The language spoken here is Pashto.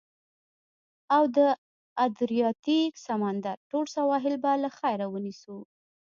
او د ادریاتیک سمندر ټول سواحل به له خیره، ونیسو.